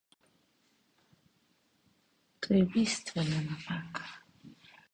To je bistvena napaka.